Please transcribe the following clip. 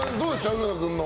浦野君の。